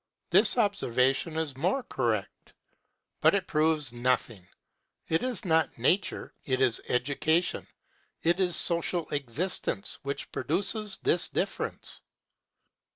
This observation is more correct, but it proves nothing; it is not nature, it is education, it is social existence which produces this difference.